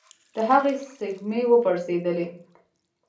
د هغې سږمې وپړسېدلې.